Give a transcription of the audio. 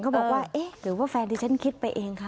บอกว่าเอ๊ะหรือว่าแฟนที่ฉันคิดไปเองคะ